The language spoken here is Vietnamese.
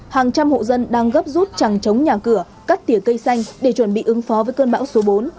hàng trăm hộ dân đang gấp rút chẳng chống nhà cửa cắt tỉa cây xanh để chuẩn bị ứng phó với cơn bão số bốn